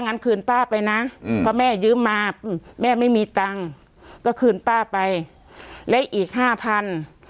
งั้นคืนป้าไปนะอืมเพราะแม่ยืมมาแม่ไม่มีตังค์ก็คืนป้าไปและอีกห้าพัน